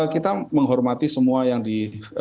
kita menghormati semua yang di